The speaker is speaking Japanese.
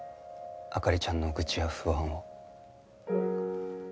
灯ちゃんの愚痴や不安を。